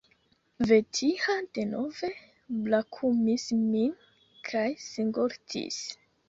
Vetiha denove brakumis min kaj singultis.